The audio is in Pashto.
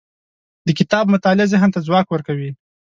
د کتاب مطالعه ذهن ته ځواک ورکوي.